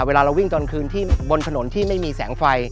เวลาเราวิ่งตอนคืนที่บนถนนที่ไม่มีแสงไฟ